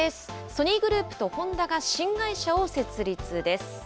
ソニーグループとホンダが新会社を設立です。